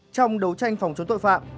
trong đấu tranh phòng chống tội phạm